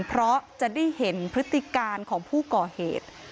เพราะจะได้เห็นพฤติการของผู้ก่อเหตุ